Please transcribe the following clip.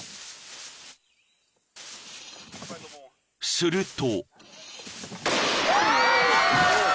［すると］